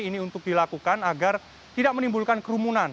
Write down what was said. ini untuk dilakukan agar tidak menimbulkan kerumunan